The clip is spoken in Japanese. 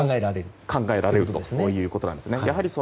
考えられるということなんです。